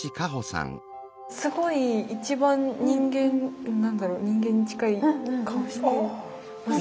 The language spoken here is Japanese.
すごい一番何だろう人間に近い顔してますね。